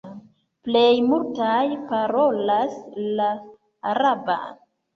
Plej multaj parolas la araban.